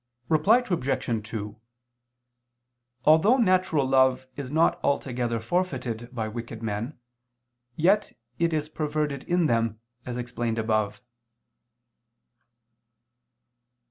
Reply Obj. 2: Although natural love is not altogether forfeited by wicked men, yet it is perverted in them, as explained above.